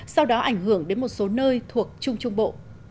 sau đó ảnh hưởng đến một số nơi thuộc trung trung bộ